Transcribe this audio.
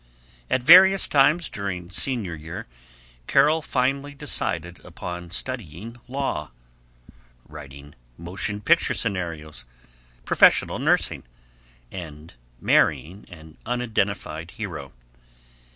At various times during Senior year Carol finally decided upon studying law, writing motion picture scenarios, professional nursing, and marrying an unidentified hero.